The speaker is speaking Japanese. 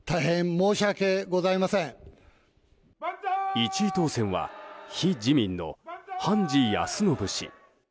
１位当選は非自民の判治康信氏。